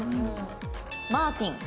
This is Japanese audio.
マーティン。